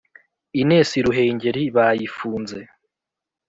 Inesi Ruhengeri bayifunze